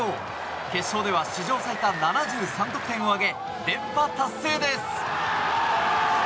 決勝では史上最多７３得点を挙げ連覇達成です！